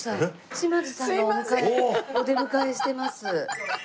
島津さんがお迎えお出迎えしてます。